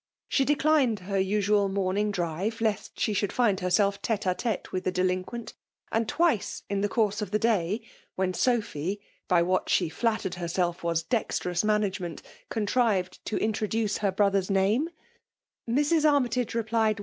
She declined her usual morning drive, lest she should find herself tete a tete with the delinquent ; and twice in the course of the day, lAen Sophy, by what she flattered heffeelf was dexterous management, contrived to introduce her brother's name, Mrs. Armytage replied> 14 FBMALK DOMXMAXION.